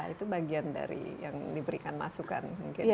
itu bagian dari yang diberikan masukan mungkin